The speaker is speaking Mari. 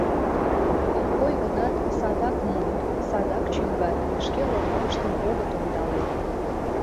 Ок кой гынат, садак муыт, садак чӱҥгат — шке логарыштым огыт ондале.